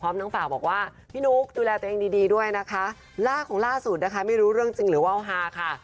ไม่รู้เรื่องจริงหรือว่าวฮาค่ะ